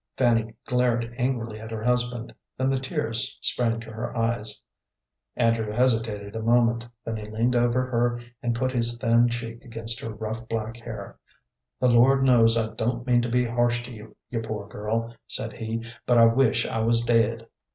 Fanny glared angrily at her husband, then the tears sprang to her eyes. Andrew hesitated a moment, then he leaned over her and put his thin cheek against her rough black hair. "The Lord knows I don't mean to be harsh to you, you poor girl," said he, "but I wish I was dead."